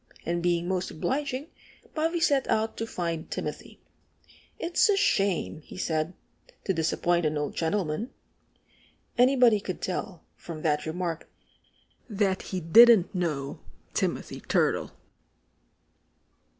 And being most obliging, Bobby set out to find Timothy. "It's a shame," he said, "to disappoint an old gentleman." Anybody could tell, from that remark, that he didn't know Timothy Turtle.